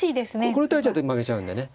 これ打たれちゃうと負けちゃうんでね。